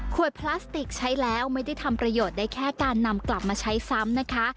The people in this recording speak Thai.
พลาสติกใช้แล้วไม่ได้ทำประโยชน์ได้แค่การนำกลับมาใช้ซ้ำนะคะ